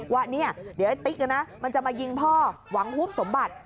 ว่าเนี่ยเดี๋ยวไอ้ติ๊กมันจะมายิงพ่อหวังฮุบสมบัติ